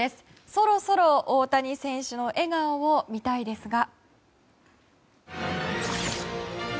そろそろ大谷選手の笑顔を見たいですが。